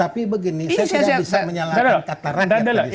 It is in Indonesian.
tapi begini saya tidak bisa menyalahkan kata rakyat tadi